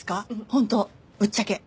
本当ぶっちゃけ。